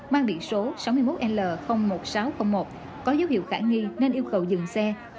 mang biển số sáu mươi một l một nghìn sáu trăm linh một có dấu hiệu khả nghi nên yêu cầu dừng xe